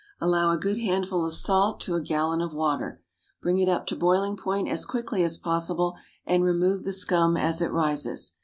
Allow a good handful of salt to a gallon of water. Bring it up to boiling point as quickly as possible, and remove the scum as it rises.